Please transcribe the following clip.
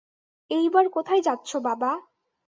এইবার কোথায় যাচ্ছো, বাবা?